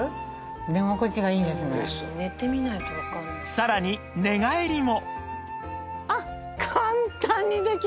さらに寝返りも